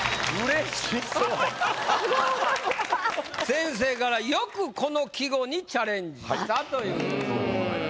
先生から「よくこの季語にチャレンジした！」ということでございます。